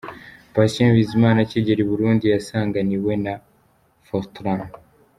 Patient Bizimana akigera i Burundi yasanganiwe na Fortran.